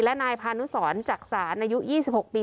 และนายพานุสรจักษานอายุ๒๖ปี